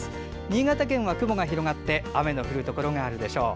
新潟県は雲が広がって雨の降るところがあるでしょう。